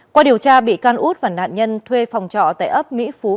qua điều tra bị can út và nạn nhân thuê phòng trọ tại ấp mỹ phú